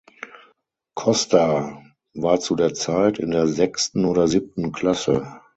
Koster war zu der Zeit in der sechsten oder siebten Klasse.